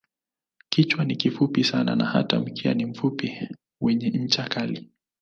Kichwa ni kifupi sana na hata mkia ni mfupi wenye ncha kali.